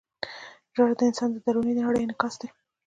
• ژړا د انسان د دروني نړۍ انعکاس دی.